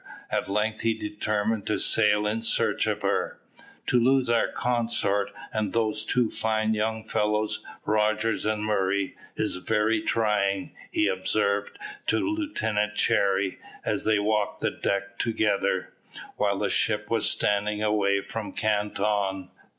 At length he determined to sail in search of her. "To lose our consort, and those two fine young fellows, Rogers and Murray, is very trying," he observed to Lieutenant Cherry, as they walked the deck together, while the ship was standing away from Canton.